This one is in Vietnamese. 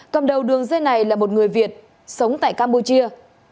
cầm đầu đường dây này là một người việt sống tại campuchia